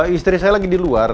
istri saya lagi di luar